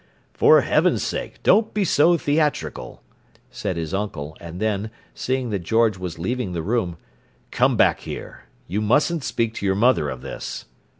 "For heaven's sake, don't be so theatrical!" said his uncle, and then, seeing that George was leaving the room: "Come back here. You mustn't speak to your mother of this!"